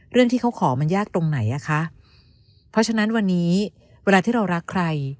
เรื่องที่เขาขอมันยากตรงไหนอ่ะคะเพราะฉะนั้นวันนี้เวลาที่เรารักใคร